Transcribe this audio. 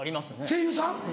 ・声優さん。